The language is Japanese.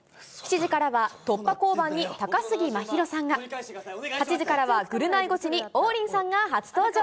７時からは、突破交番に高杉真宙さんが、８時からはぐるナイゴチに王林さんが初登場。